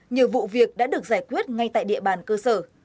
nhiều vụ việc đã được giải quyết ngay tại địa bàn cơ sở